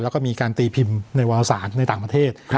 แล้วก็มีการตีพิมพ์ในวาวสารในต่างประเทศ